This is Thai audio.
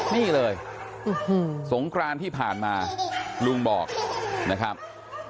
นี่เลยสงกรานที่ผ่านมาลุงบอกนะครับ